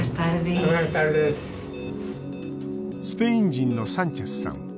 スペイン人のサンチェスさん。